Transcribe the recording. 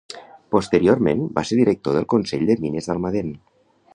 Posteriorment va ser director del Consell de Mines d'Almadén.